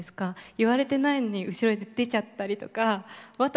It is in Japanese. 言われてないのに後ろで出ちゃったりとかわた